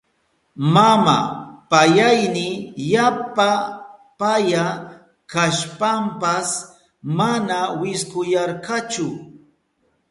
Mama payayni yapa paya kashpanpas mana wiskuyarkachu.